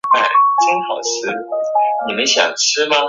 原产于印度尼西亚爪哇岛和马来西亚等地。